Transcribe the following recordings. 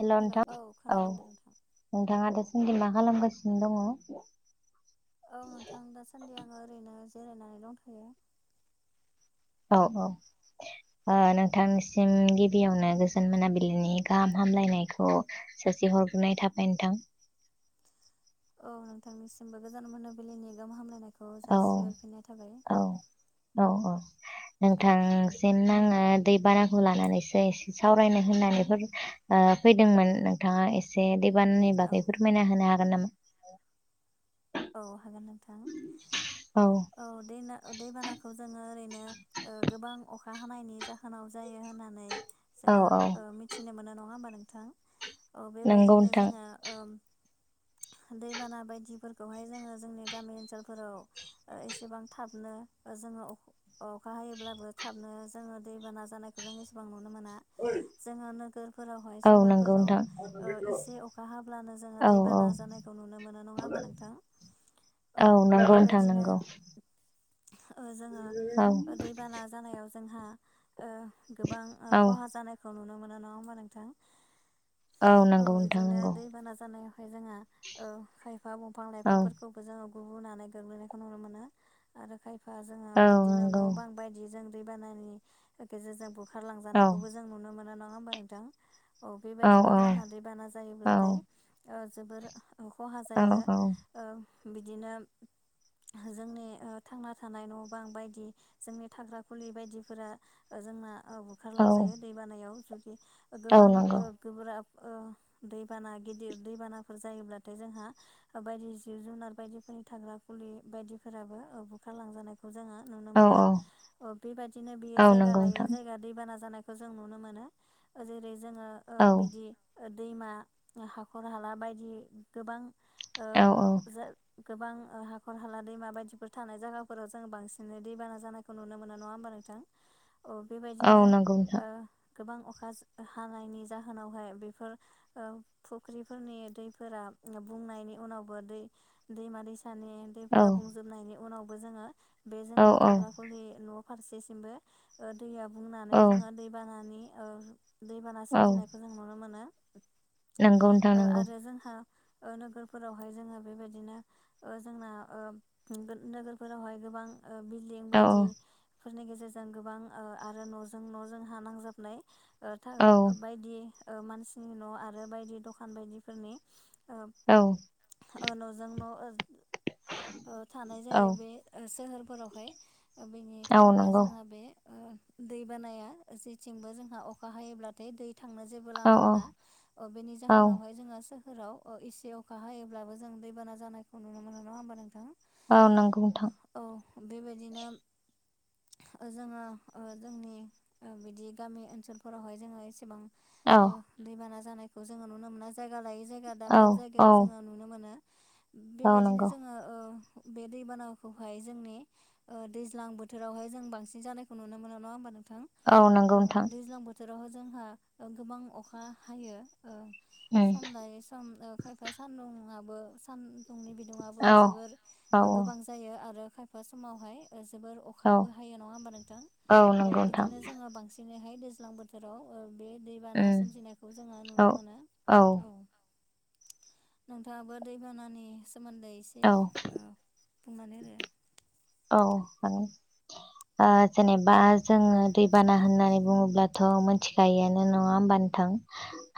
हेल' hello नोंथां औ खोनादों दे नोंथां नोंथाङा दा सान्दि मा खालामगासिनो दङ औ नोंथां दासान्दि आङो ओरैनो जिरायनानै दंथ'यो औ औ [inaudible] ओ नोंथांनिसिम गिबियावनो गोजोन मोनाबिलिनि गाहाम हामलायनायखौ जासि ह हरगोरनाय थाबाय नोंथां [inaudible] औ नोंथांनिसिमबो गोजान मोनाबिलिनि गाहाम हामलायनायखौ औ जासिहरफिननाय थाबाय औ औ औ औ नोंथांसिम नाङो ङो दैबानाखौ लानानैसो एसे सावरायनो होननानैफोर फैदोंमोन नोंथाङा एसे बानानि औ बागै फोरमायना होनो हागोन नामा औ हागोन नोंथां औ दैना दैबानाखौ जोङो ओरैनो गोबां अखा हानायनि जाहोनाव जायो होननानै औ जोङो औ मिथिनो मोनो नङा होमबा नोंथां। नंगौ बेबायदिनो नोंथां जोङो दैबाना बायदि बेहाय जोङो जोंनि गामि ओनसोलफोराव एसेबां थाबनो जोङो अखा हायोब्लाबो थाबनो जोङो दैबाना जानायखौ जों एसेबां नुनो मोना। जोङो नोगोरफोरावहाय औ नंगौ सहरफोराव नोंथां इसे अखा हाब्लानो जोङो औ दै औ बाना जानाय खौ नुनो मोन नङा होनोमबा नों औ नंगौ नोंथां बेबायदिनो नांगौ जोङो दैबाना जानायाव जोंहा गोबां औ खहा जानायखौ नुनो मोनो नङा होमबा नोंथां। औ नंगौ नोंथां बिदिनो नंगौ दैबाना जानायावहाय जोंहा औ खायफा बिफां औ लाइफांफोरखौबो जोङो गुबुनानै गोग्लैनायखौ नुनो मोनो आरो खाय बिफा जोङो औ बिदिनो नंगौ न' बां बायदि जों दैबानानि गेजेरजों औ ओंखारलांजानायखौबो जों नुनो मोना नङा होमबा नोंथां औ बेबायदिनो जोंहा दैबाना औ जायोब्लाथाय जोबोर खहा जायो। औ बिदिनो जोंनि थांना थानाय न' बां बायदि जोंनि थाग्रा खुलि बायदिफोरा जोंना औ बुखारलांजायो दैबानायाव जुदि औ गोबां नंगौ गोब्राब दैबाना गिदिर दैबानाफोर जायोब्लाथाय जोंहा बायदि जिब जुनार बायदिफोरनि थाग्रा खुलि बायदिफोराबो बुखारलांजानायखौ जोङो नुनो औ मोनो औ अ बेबायदिनो बियो औ जायगा नंगौ लायै नोंथां जायगा दैबाना जानायखौ जों नुनो मोनो जेरै जोङो औ बिदि दैमा हाखर हाला बायदि गोबां ओ औ औ जा गोबां हाखर हाला दैमा बायदिफोर थानाय जायगाफोराव जोों बांसिनै दैबाना जानायखौ नुनो मोनो नङा होमबा नोंथां। औ औ बेबायदिनो नंगौ नोंथां गोबां अखा हानायनि जाहोनावहाय बेफोर फुख्रिफोरनि दैफोरा बुंनायनि उनावबो दै दैमा दैसानि औ दैफोरा बुंजोबनायनि उनावबो जोङो बे औ जोंनि थाग्रााखुलि न' फारसेसिमबो दैया औ बुंनानै जोङो दै बानानि दैबाना सोमजिनायखौ जों नुनो मोनो। नोंगौ नोंथां ओ नोंगौ आरो जोंहा ओ नोगोर फोरावहाय जोङो बेबायदिनो जोंना नोगोरफोरावहाय गोबां बिल्डिं औ बायदिफोरनि गेजेरजों गोबां आरो न'जों न'जों हा नांजाबनाय औ बायदि मानसिनि न' आरो बायदि दखान बायदिफोरनि ओ औ न'जों न' थानाय औ जायो बे सोहोरफोरावहाय बेनि औ थाखायनो नोंगौ जोंहा बे दै बानाया जेथिंबो जोंहा अखा हायोब्लाथाय दै थांनो जेबो औ लामा औ मोना बेनि औ जाहोनावहाय जोङो सोहोराव एसे अखा हायोब्लाबो जों दैबाना जानायखौ नुनो मोन नङा होमबा नोंथाङा औ नोंगौ नोंथां बेबायदिनो जोङो जोंनि बिदि गामि ओनसोलफोरावहाय जोङो एसेबां औ दैबाना जानायखौ जोङो नुनो मोना जायगा लायै जायगा दाब औ दाब औ जायगायाव जोङो नुनो मोनो औ बेबायदिनो नंगौ जोङो बे दैबानाखौहाय जोंनि दैज्लां बोथोरावहाय जों बांसिन जानायखौ नुनो मोनो नङा होमबा नोंथां थां औ नंगौ नोंथां दैज्लां बोथोरावहाय जोंहा गोबां अखा हायो। उम सम लायो सम ओ खायफा दुंबो सानदुंनि बिदुंबो औ जोबोर औ गोबां जायो आरो खा बि समावहाय जोबोर औ अखाबो हायो नङा होमबा नोंथां औ नंगौ नोंथां बिदिनो जोङो बांसिन दिनैहाय दैज्लां बोथोराव बे दैबाना उम सोमजिनायखौ जोङो नुनो मोनो औ नोंथाङाबो दैबानानि सोमोन्दै एसे औ ओ बुंनानै होदो औ हागोन‌ ओ जेनेबा जोङो दैबाना होननानै बुङोब्लाथ' मोन थिखायोयानो‌ नङा ओमबा नोंथां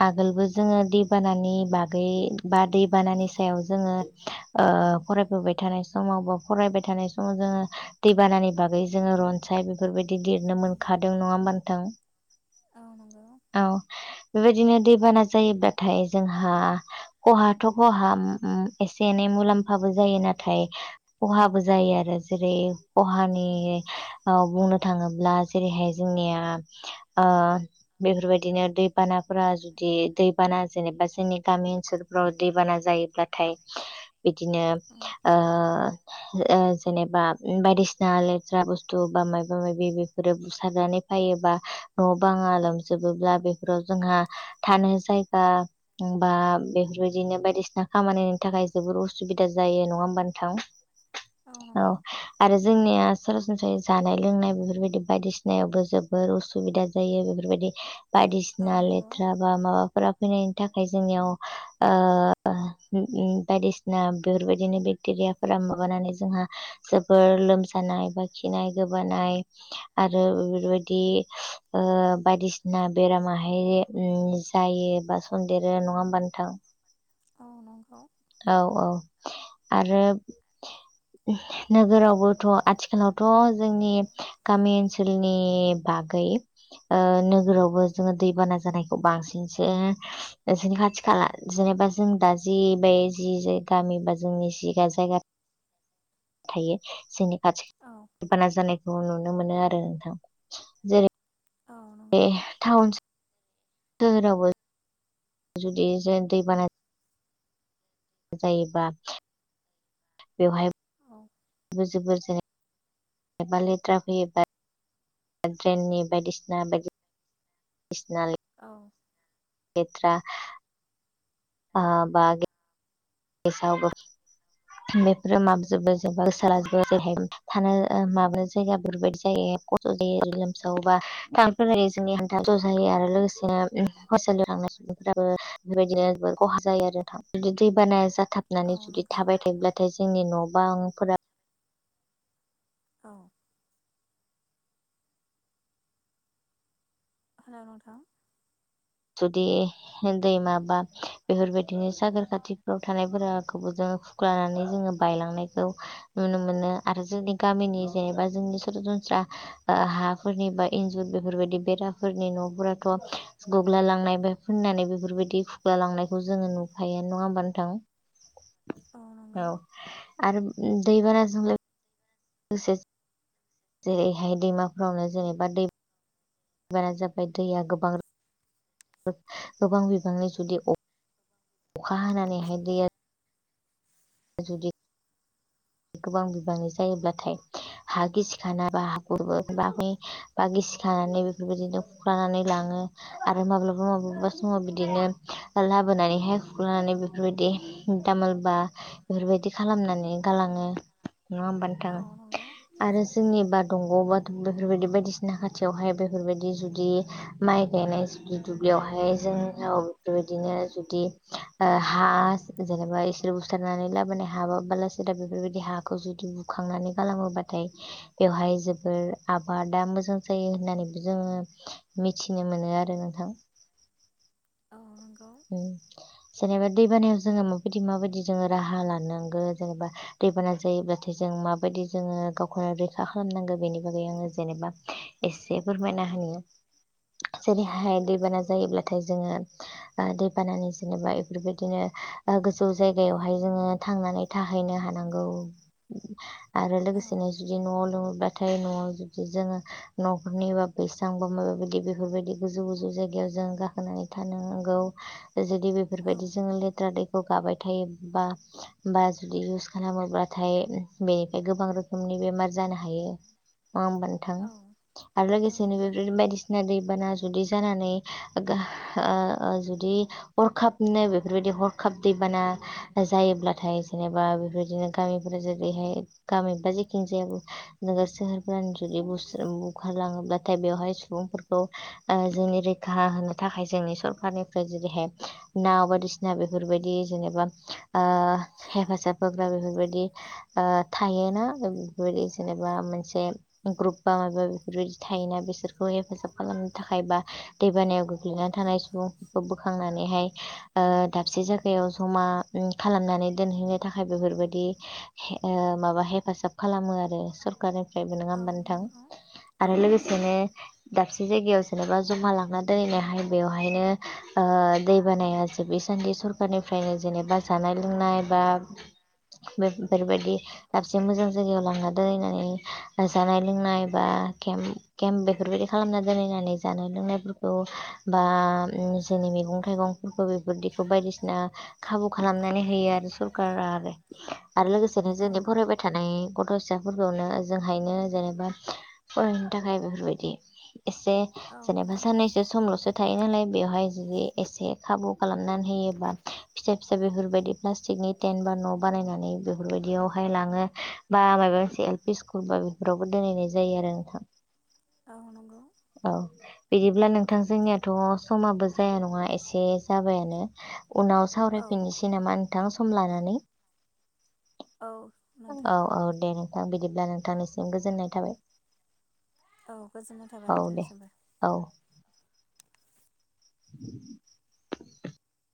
आगोलबो औ जों दैबानानि बागै बा दैबानानि सायाव जोङो ओ फरायफबाय थानाय समाव बा फरायबाय थानाय समाव जोङो दैबानानि बागै जोङो रनसाय बेफोरबायदि लिरनो मोनखादों नङा होमबानो नोंथां औ नंगौ औ बेबायदिनो दैबाना जायोब्लाथाय जोंहा खहाथ' खहा उम उम एसे ए नै मुलाम्फाबो जायो नाथाय खहाबो जायो आरो जेरै खहानि औ ओ बुंनो थाङोब्ला जेरैहाय जोंनिया ओ बेफोरबायदिनो दैबानाफोरा जुदि दैबाना जेनेबा जोंनि गामि ओनसोलफोराव दैबाना जा ब्लाथाय गिदिंनो उम ओ जेनेबा बायदि सिना लेथ्रा बुस्थु बा मायबा मायबि बेफोरो बुसारनानै फैयोबा न' बाङा लोम सावजोबोब्ला बेफोराव जोंहा थानो जायगा बा बेफोरबायदिनो बायदिसिना खामानिनि थाखाय जोबोर उसुबिदा जायो नङा होमबा नोथां? औ आरो जोंनिया सरासनस्रायै जानाय लोंनाय बेफोरबायदि बायदिसिनायावबो जोबोर उसुबिदा जायो बेफोरबायदि औ बायदिसिना नंगौ लेथ्रा बा माबाफोरा फैनायनि थाखाय जोंनियाव ओ बायदिसिना बेफोरबायदिनो बेकटे रियाफोरा माबानानै जोंहा जोबोर लोमजानाय बा खिनाय गोबानाय आरो ओ बेफोरबायदि ओ बादिसि [unintelligible] ना बेरामाहाय उम जायो एबा सन्देरो नङा होमबा नोंथां? औ नंगौ औ औ आरो नोगोरावबोथ' आथिखालावथ' जोंनि गामि ओनसोलनि बा गै नों गोरावबो जोङो दैबाना जानायखौ बांसिनसो नोंसोरनि खाथि खाला जेनेबा जों दा जि बाय जि [unintelligible] गामि बा जोंनि जिगा जायगा प केसखौ [inaudible] थायो जोंनि खाथि [inaudible] बाना जानायखौ नुनो मोनो आरो नोंथां जेरै औ ए नंगौ थाउनस [unintelligible] सोहोरावबो जुदि जों दै बानानि जायोबा बेवहाय औ [unintelligible] बा लेट्रा फैयो [unintelligible] ड्रेननि बायदिसिना बाय [unintelligible] सिना औ लेथ्रा आ बागे बो बेफोरो माबजोबो जेनबा गोसोलाजोबो औ जेरैहाय थानो [unintelligible] माबा जायगा बेबायादि जायो खस्थ' जायो लोमसावोबा थ जोंनि हान्था ज' जायो [unintelligible] आरो लोगोसेनो हस्टेल थांनाय सुबुंफोराबो बेफोरबायदिनो जबो खहा जायो आरो बिदि दै बानाया [unintelligible] औ थाबनानै जुदि नंगौ थाबाय थायोब्लाथाय जोंनि न' बांफोरा [unintelligible] औ हेल' नोंथां जुदि दैमा बा बेफोरबायदिनो सागोर खाथिफ्राव थानायफोरावबो जों लानानै जोङो बायलांनायखौ नुनो मोनो आरो जोंनि गामिनि जेनेबा जोंनि सरासनस्रा ओ हाफोरनि बा इन्जुर बेफोर बायदि बेराफोरनि न'फोराथ' गुग्ला लांनाय बा फोननानै बेफोर बायदि खुग्ला लांनायखौ जोङो नुखायो नङा होमबा नोंथां [inaudible] नंगौ औ आरो दैबानाजों लोगोसे जेरैहाय दैमाफोरावनो जेनेबा दै बारा जाबाय दैया गोबां रो गोबां बिबाङै जुदि अखा हानानैहाय दैया जुदि गोबां बिबांनि जायोब्लाथाय हा गिसि खाना बा हा [inaudible] बा गिसि खानानै बेफोर बायदिनो खुरखानानै लाङो आरो माब्लाबा माब्लाबा समाव बिदिनो लाबोनानैहाय खुख्लानानै बेफोर बायदि तामोलबा बेफोर बायदि खालामनानै गालाङो नङा होमबा नोथां औ नंगौ आरो जोंनि बा दंग' बा बेफोर बायदि बायदिसिना खाथियावहाय बेफोर बायदि जुदि माइ गायनाय जुदि दुब्लियावहाय जोंनाव बेफोर बायदिनो जुदि ओ हा जेनेबा इसोर बुस्थु बुथारनानै लाबोनाय हा बा बालासेदा बेफोर बायदि बे हाखौ जुदि बुखांनानै गालाङोबाथाय बेवहाय जोबोर आबादा मोजां जायो। होननानैबो जोङो मिथिनो मोनो आरो नोंथां। [inaudible] नंगौ उम जेनेबा दैबानायाव जोङो माबायदि माबायदि जोङो राहा लानांगो जेनेबा दैबाना जायोब्लाथाय जों माबायदि जोङो गावखौनो रैखा खालामनांगो बेनि बागै आङो जेनेबा एसे फोरमायना हो औ जेरैहाय दैबाना जायोब्लाथाय जोङो ओ दैबानानि जेनेबा बेफोर बायदिनो गोजौ जायगायावहाय जोङो थांनानै थाहैनो हानाय नांगौ आरो औ लोगोसेनो जुदि न'आव लोमोबा थाय न'आव जुदि जोङो न'खरनि बा बैसां बा माबायदि बेफोरबायदि गोजौ गोजौ जायगायाव जों गाखोनानै थानांगौ जुदि बेफोर बायदि जों औ लेथ्रा दै खौ गाबाय थायो बा जुदि इउस खालामोबाथाय बेनिफ्राय गोबां रोखोम बेमार जानो हायो नङा होमबानो थां औ आरो औ लोगोसेनो नंगौ। बेफोरनो बायदिसिना दैबाना जुदि जानानै ओ ओ दि हरखाबनो बेफोरबायदि हरखाब दैबाना जायोब्लाथाय जेनेबा बेफोरदिनो गामिफोरा जेरैहाय गामि जेखिजाया नोगोर सोहोरनो जुदि बु खारलाङोब्लाथाय बेवहाय सुबुंफोरखौ जोंनि रैखा होनो थाखाय जोंनि सरखारनि फ्राय जेरैहाय नाव बायदिसिना बेफोर बायदि जेनेबा ओ हेफाजा होबोग बेफोर बायदि ओ थायोना बेफोरदि जेनेबा मोनसे ग्रुप बा माबा मोनसे बेफोर बायदि थायोना बिसोरखौ हेफाजाब खालामनो थाखाय बा दैबानायाव गोग्लैनानै औ। थानाय सुबुं दिखांनानैहाय दाबसे जायगायाव जमा खालामनानै दोनहैनो थाखाय बेफोर बायदि हे ओ माबा हेफाजाब खालामो आरो सकारनि बो नङा औ होमबा नोंथां नंगौ औ आरो नंगौ लोगोसेनो दाबसे जायगायावसो जेनेबा जमा लांना दोनैनायहाय बेवहायनो ओ दै बानाया जोबै सान्दि सरखारनिफ्रायनो जेनेबा जानाय लोंनाय बा बे-बेफोर बायदि दाबसे मोजां जायगायाव लांना दोनहैनानै जानाय लोंनाय बा ओ केम केम्प बेफोर बायदि खालामना दोनैनानै जानाय लोंनायफोरखौ बा उम जोंनि मैगं थाइगंफोरखौ बेफोरदिखौ बायदिसिना खाबु खालामनानै होयो आरो सरकारा आरो आरो लोगोसेनो जोंनि औ। फरायबाय थानाय गथ' फिसाफोरखौनो ओजोंहायनो जेनेबा फरायनो थाखाय बेफोर बायदि एसे औ जेनेबा नंगौ साननैसो समल'सो थायो नालाय बेवहाय जे एसे खाबु खालामनानै होयोबा फिसा फि सा बेफोर बायदि प्लास्टिकनि टेन्ट बा न' बानायनानै बेफोर बायदियावहाय लाङो बा मायबा मोनसे एल पि स्कुल बा बेफोरावबो दोनहैनाय जायो आरो नोंथां दा हरनांगौ औ बिदिब्ला नोंथां जोंनियाथ' समाबो जाया नङा एसे जाबायानो उनाव औ। सावरायफिनोसैनेामा नोंथां सम लानानै औ नोंथां औ औ दे नों नोंथां बिदिब्ला नोंथांनिसिम गोजोननाय थाबाय औ गोजोननाय थाबाय औ दे नोंथांनिसिमबो औ [unintelligible]